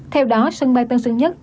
theo đó sân bay tân sơn nhất